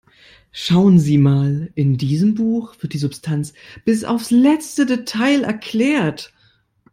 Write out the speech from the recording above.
Schauen Sie mal, in diesem Buch wird die Substanz bis aufs letzte Detail erklärt.